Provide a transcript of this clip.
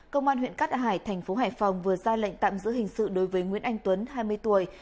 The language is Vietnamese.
công an huyện cát hải thành phố hải phòng vừa ra lệnh tạm giữ hình sự đối với nguyễn anh tuấn hai mươi tuổi